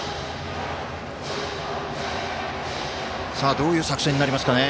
どういう作戦になりますかね。